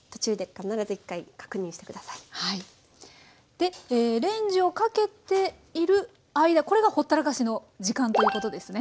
でレンジをかけている間これがほったらかしの時間ということですね。